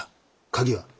鍵は？